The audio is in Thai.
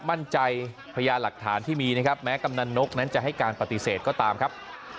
มั่นใจพญาหลักฐานที่มีนะครับแม้กำนันนกนั้นจะให้การปฏิเสธก็ตามครับ